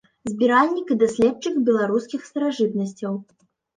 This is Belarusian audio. Збіральнік і даследчык беларускіх старажытнасцяў.